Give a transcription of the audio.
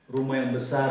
rumah yang besar